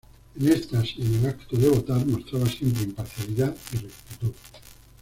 En estas y en el acto de votar mostraba siempre imparcialidad y rectitud.